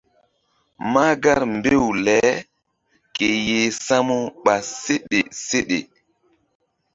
Mahgar mbew le ke yeh samu ɓa seɗe seɗe.